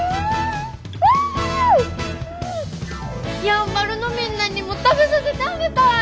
やんばるのみんなにも食べさせてあげたい！